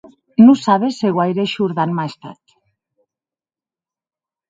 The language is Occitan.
Non sabes se guaire shordant m'a estat.